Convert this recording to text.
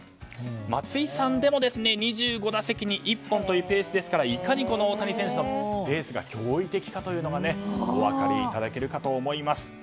松井さんでも２５打席に１本というペースですからいかに大谷選手のペースが驚異的かというのがお分かりいただけると思います。